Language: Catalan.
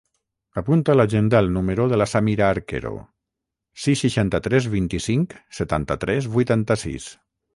Apunta a l'agenda el número de la Samira Arquero: sis, seixanta-tres, vint-i-cinc, setanta-tres, vuitanta-sis.